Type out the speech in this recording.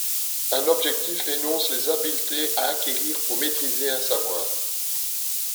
Un objectif énonce les habiletés à acquérir pour maitriser un savoir.